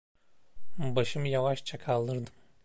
Başımı yavaşça kaldırdım.